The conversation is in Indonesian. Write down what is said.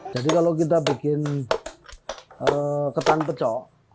jadi kalau kita bikin ketan penco